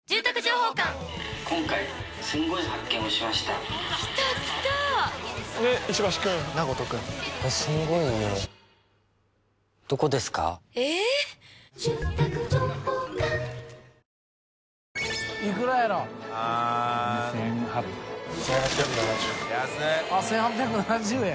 造ぁ１８７０円。